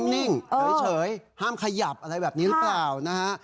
นิ่งเฉยห้ามขยับอะไรแบบนี้หรือเปล่านะฮะ